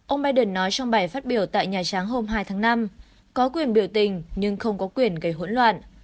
ông biden nói trong bài phát biểu tại nhà trắng hôm hai tháng năm có quyền biểu tình nhưng không có quyền gây hỗn loạn